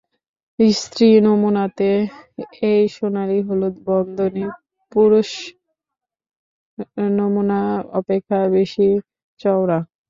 স্ত্রী নমুনাতে এই সোনালী-হলুদ বন্ধনী পুরুষ নমুনা অপেক্ষা বেশি চওড়া।